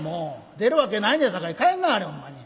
出るわけないねんさかい帰んなはれほんまに。